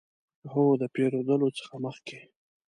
هو، د پیرودلو څخه مخکې